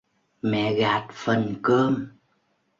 Mẹ gạt phần cơm